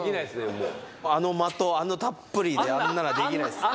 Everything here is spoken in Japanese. もうあの間とたっぷりであんなのはできないですははは